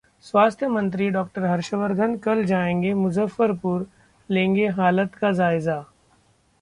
स्वास्थ्य मंत्री डॉ. हर्षवर्धन कल जाएंगे मुजफ्फरपुर, लेंगे हालात का जायजा